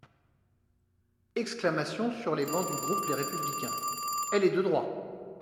(Exclamations sur les bancs du groupe Les Républicains.) Elle est de droit.